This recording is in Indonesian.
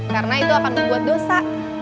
karena itu akan membuat dosa